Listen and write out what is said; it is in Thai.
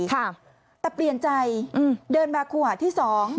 แต่เปลี่ยนใจเดินมาคู่หาที่สอง